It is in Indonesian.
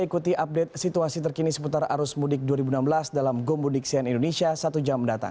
ikuti update situasi terkini seputar arus mudik dua ribu enam belas dalam go mudik sian indonesia